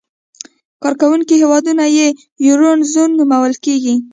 کاروونکي هېوادونه یې یورو زون نومول کېږي.